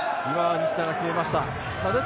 西田が決めました。